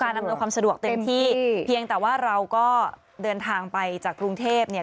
อำนวยความสะดวกเต็มที่เพียงแต่ว่าเราก็เดินทางไปจากกรุงเทพเนี่ย